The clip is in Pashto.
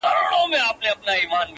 • نوم مي دي پر هره مرغلره درلیکلی دی -